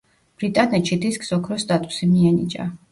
ბრიტანეთში დისკს ოქროს სტატუსი მიენიჭა.